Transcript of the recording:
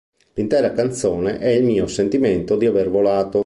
L'intera canzone, è il mio sentimento di aver volato".